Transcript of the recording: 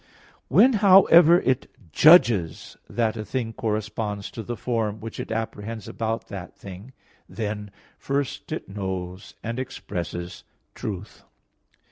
When, however, it judges that a thing corresponds to the form which it apprehends about that thing, then first it knows and expresses truth.